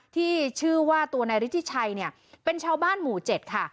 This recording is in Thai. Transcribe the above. ที่ชื่อว่าตัวนายฤทธิชัยเนี่ยเป็นชาวบ้านหมู่๗ค่ะ